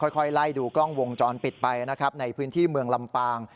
ค่อยไล่ดูกล้องวงจรปิดไปนะครับในพื้นที่เมืองลำปาง